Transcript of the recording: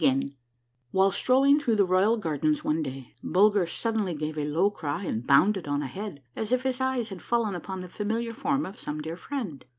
70 A MARVELLOUS UNDERGROUND JOURNEY While strolling through the royal gardens one day, Bulger suddenly gave a low cry and bounded on ahead, as if his eyes had fallen upon the familiar form of some dear friend.